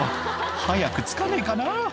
「早く着かないかな」